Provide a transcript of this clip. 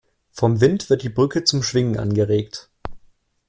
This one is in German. Vom Wind wird die Brücke zum Schwingen angeregt.